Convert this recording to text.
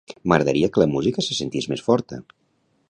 M'agradaria que la música se sentís més forta.